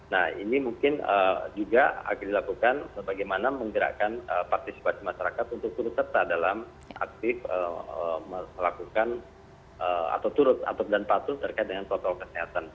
nah ini mungkin juga akan dilakukan sebagaimana menggerakkan partisipasi masyarakat untuk turut serta dalam aktif melakukan atau turut atau dan patuh terkait dengan protokol kesehatan